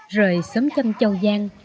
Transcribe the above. rời xóm châm châu giang